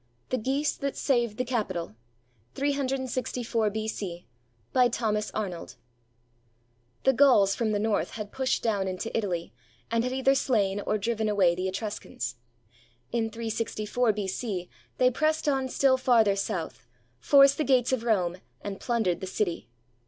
THE GEESE THAT SAVED THE CAPITOL [364 B.C.] BY THOMAS ARNOLD [The Gauls from the north had pushed down into Italy and had either slain or driven away the Etruscans. In 364 B.C. they pressed on still farther south, forced the gates of Rome, and plundered the city.